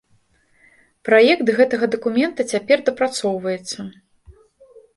Праект гэтага дакумента цяпер дапрацоўваецца.